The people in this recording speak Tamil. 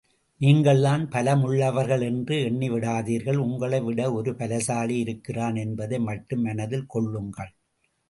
நீங்கள்தான் பலமுளளவர்கள் என்று எண்ணி விடாதீர்கள் உங்களை விட ஒரு பலசாலி இருக்கிறான் என்பதை மட்டும் மனதில் கொள்ளுங்கள்.